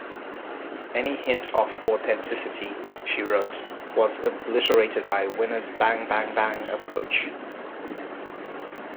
Any hint of authenticity, she wrote, was obliterated by Winner's "bang-bang-bang approach".